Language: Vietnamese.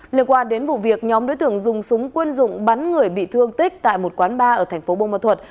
liên quan đến vụ việc nhóm đối tượng dùng súng quân dụng bắn người bị thương tích tại một quán bar ở thành phố bô ma thuật